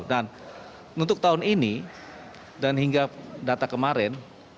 untuk tahun ini dan hingga data kemarin